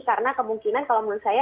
karena kemungkinan kalau menurut saya